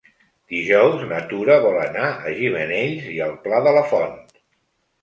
Dijous na Tura vol anar a Gimenells i el Pla de la Font.